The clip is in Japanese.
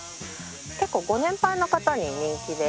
結構ご年配の方に人気で。